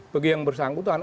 bagi yang bersangkutan